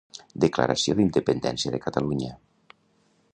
Declaració d'Independència de Catalunya